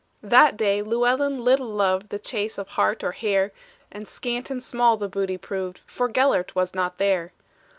That day Llewellyn little loved The chase of hart or hare, And scant and small the booty proved, For Gelert was not there.